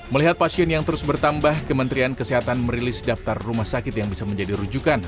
melihat pasien yang terus bertambah kementerian kesehatan merilis daftar rumah sakit yang bisa menjadi rujukan